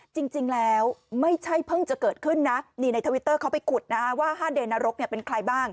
จริงแล้วไม่ใช่เพิ่งจะเกิดขึ้นนะนี่ในทวิตเตอร์เขาไปขุดนะว่าห้าเดนรกเป็นใครบ้าง